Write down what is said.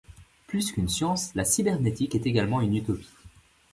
Plus qu’une science, la cybernétique est également une utopie.